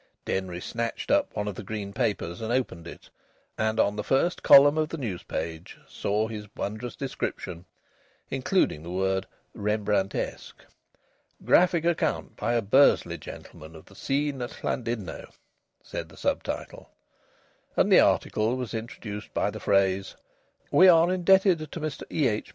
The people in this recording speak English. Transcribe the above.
Denry snatched up one of the green papers and opened it, and on the first column of the news page saw his wondrous description, including the word "Rembrandtesque." "Graphic Account by a Bursley Gentleman of the Scene at Llandudno," said the sub title. And the article was introduced by the phrase: "We are indebted to Mr E.H.